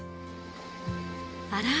あら？